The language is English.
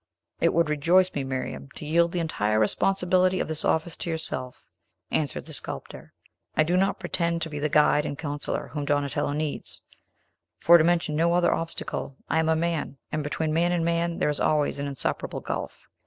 "It would rejoice me, Miriam, to yield the entire responsibility of this office to yourself," answered the sculptor. "I do not pretend to be the guide and counsellor whom Donatello needs; for, to mention no other obstacle, I am a man, and between man and man there is always an insuperable gulf.